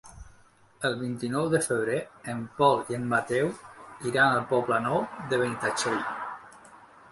El vint-i-nou de febrer en Pol i en Mateu iran al Poble Nou de Benitatxell.